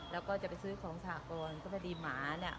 แล้วก็จะไปซื้อของสหกรณ์ก็พอดีหมาเนี่ย